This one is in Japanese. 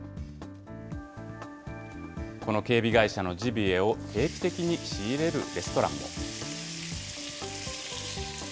この警備会社のジビエを定期的に仕入れるレストランも。